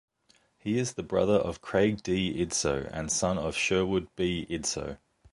He is the brother of Craig D. Idso and son of Sherwood B. Idso.